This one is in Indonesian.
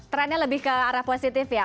trendnya lebih ke arah positif ya